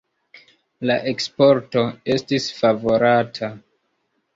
La eksporto estis favorata.